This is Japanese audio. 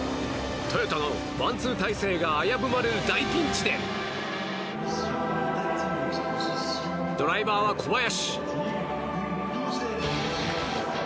トヨタのワンツー体制が危ぶまれる大ピンチでドライバーは、小林。